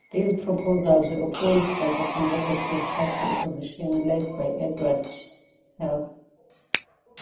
These proposals were opposed by the Conservative Party opposition led by Edward Heath.